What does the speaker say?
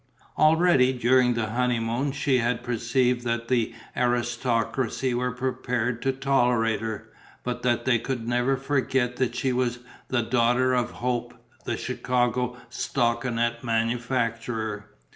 Already during the honeymoon she had perceived that the aristocracy were prepared to tolerate her, but that they could never forget that she was the daughter of Hope the Chicago stockinet manufacturer.